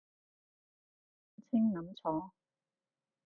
唔會諗清諗楚